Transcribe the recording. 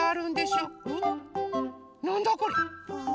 なんだこれ？